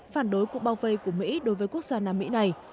phản đối cuộc bao vây của mỹ đối với quốc gia nam mỹ này